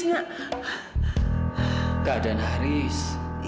bagaimana keadaan haris